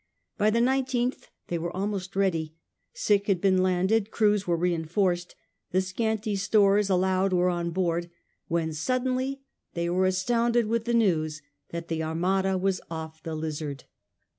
By the 19th they were almost ready — sick had been landed, crews were reinforced, the scanty stores allowed were on board — when suddenly they were astounded with the news that the Armada was off the Lizard.